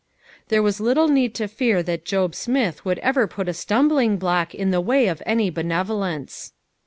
There was little need to fear that Job Smith would ever put a stumbling block in the way of any benevolence.